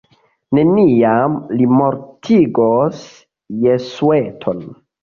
Neniam li mortigos Jesueton.